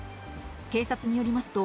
警察によりますと、